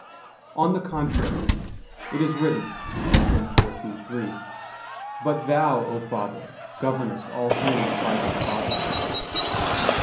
On the contrary, It is written (Wis. 14:3): "But Thou, O Father, governest all things by Thy Providence."